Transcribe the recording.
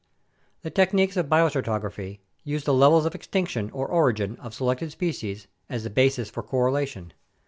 The techniques of biostratigraphy use the levels of extinction or origin of selected species as the basis for correlation.